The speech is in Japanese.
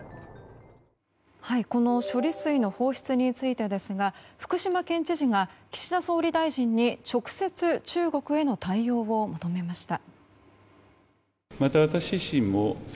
この処理水の放出についてですが福島県知事が岸田総理大臣に直接中国への対応を求めました。